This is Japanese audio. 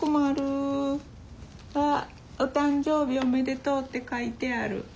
あっ「お誕生日おめでとう」って書いてある。